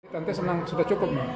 tante senang sudah cukup